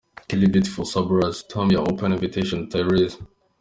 Kelly "Beautiful Surprise" -- Tamia "Open Invitation" -- Tyrese.